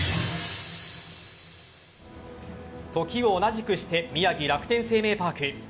時を同じくして宮城・楽天生命パーク。